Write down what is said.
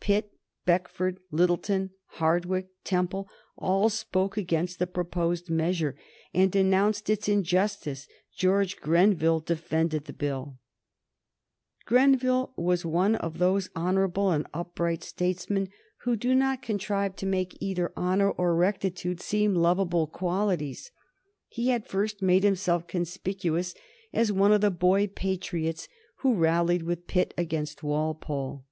Pitt, Beckford, Lyttelton, Hardwicke, Temple, all spoke against the proposed measure and denounced its injustice. George Grenville defended the bill. [Sidenote: 1763 George Grenville's characteristics] Grenville was one of those honorable and upright statesmen who do not contrive to make either honor or rectitude seem lovable qualities. He had first made himself conspicuous as one of the Boy Patriots who rallied with Pitt against Walpole.